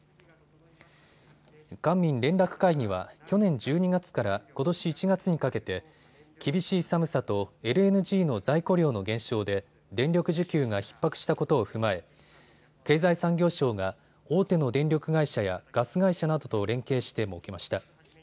官民連絡会議は去年１２月からことし１月にかけて厳しい寒さとＬＮＧの在庫量の減少で電力需給がひっ迫したことを踏まえ経済産業省が大手の電力会社やガス会社などと連携して設けました。